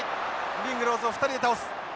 リングローズを２人で倒す。